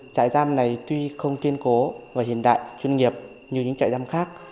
trại giam này tuy không kiên cố và hiện đại chuyên nghiệp như những trại giam khác